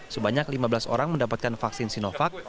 sebanyak lima belas orang mendapatkan vaksin sinovac